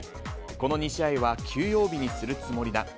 この２試合は休養日にするつもりだ。